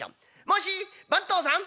もし番頭さん！